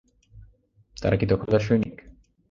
তারা কি দখলদার সৈনিক?